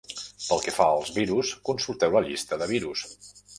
Pel que fa als virus, consulteu la llista de virus.